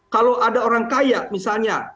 kalau ada orang kaya misalnya